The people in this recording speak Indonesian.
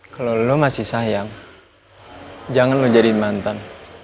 kalo lo masih sayang jangan lo jadi mantan